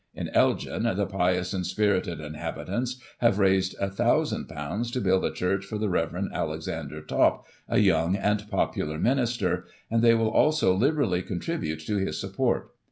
In Elgin, the pious and spirited inhabitants have raised ;£" 1,000 to build a church for the Rev. Alexander Topp, a young and popular minister; and they will also liberally contribute to his support.